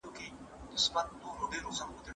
د غریبو خلګو معلوم حق ورکړئ.